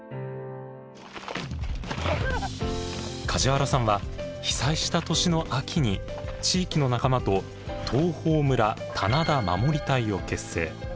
梶原さんは被災した年の秋に地域の仲間と東峰村棚田まもり隊を結成。